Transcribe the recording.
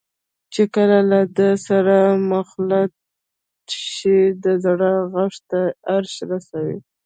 چې کله له دعا سره مخلوط شي د زړه غږ تر عرشه رسوي.